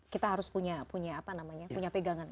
kita harus punya apa namanya punya pegangan